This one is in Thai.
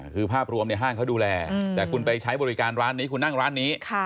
คือภาพรวมห้างเขาดูแลแต่คุณไปใช้บริการร้านนี้คุณนั่งร้านนี้